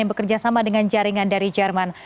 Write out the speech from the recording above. yang bekerja sama dengan jaringan dari jerman